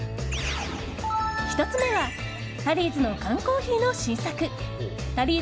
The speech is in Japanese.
１つ目はタリーズの缶コーヒーの新作ＴＵＬＬＹ